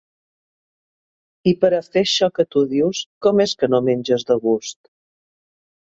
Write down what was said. I pera fer això que tu dius, com és que no menges de gust?